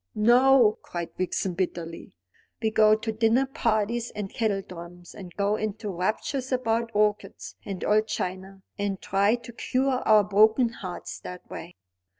"No," cried Vixen bitterly. "We go to dinner parties and kettledrums, and go into raptures about orchids and old china, and try to cure our broken hearts that way."